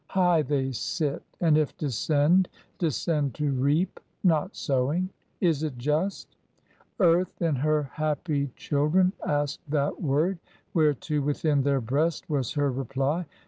High they sit, and if descend, Descend to reap, not sowing. Is it just? Earth in her happy children asked that word, Whereto within their breast was her reply.